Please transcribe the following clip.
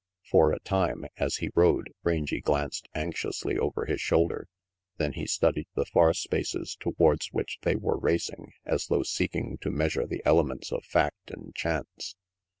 For a time, as he rode, Rangy glanced anxiously over his shoulder, then he studied the far spaces towards which they were racing, as though seeking to measure the elements of fact and chance.